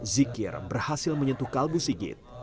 zikir berhasil menyentuh kalbu sigit